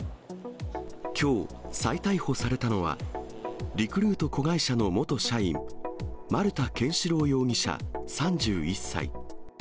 きょう、再逮捕されたのは、リクルート子会社の元社員、丸田憲司朗容疑者３１歳。